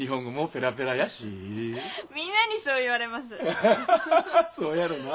アハハハハそうやろなあ。